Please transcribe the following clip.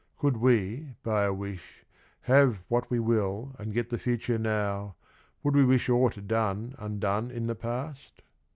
Could we by a wish Have what we will and get the future now, Would we wish aught done undone in the past?